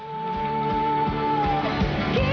ibu dan aku sampai di sana